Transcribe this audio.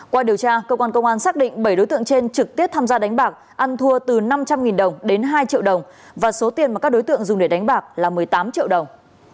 qua điều tra cơ quan công an xác định bảy đối tượng trên trực tiếp tham gia đánh bạc ăn thua từ năm trăm linh đồng đến hai triệu đồng và số tiền mà các đối tượng dùng để đánh bạc là một mươi tám triệu đồng